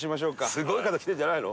すごい方来てるんじゃないの？